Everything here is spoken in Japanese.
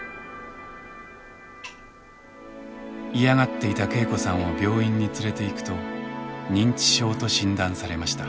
嫌がっていた恵子さんを病院に連れていくと認知症と診断されました。